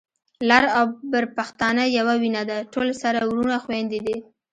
لر او بر پښتانه يوه وینه ده، ټول سره وروڼه خويندي دي